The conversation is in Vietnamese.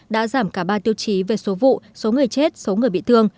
đã giảm cả ba tiêu chí về số vụ số người chết số người bị thương